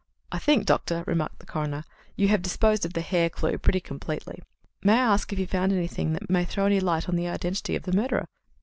"I think, Doctor," remarked the coroner, "you have disposed of the hair clue pretty completely. May I ask if you found anything that might throw any light on the identity of the murderer?"